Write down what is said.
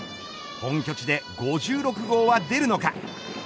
本拠地で５６号は出るのか。